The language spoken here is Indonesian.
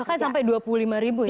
bahkan sampai dua puluh lima ribu ya